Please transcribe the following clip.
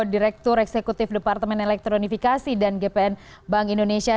direktur eksekutif departemen elektronifikasi dan gpn bank indonesia